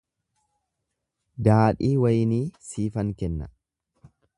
Daadhii waynii siifan kenna.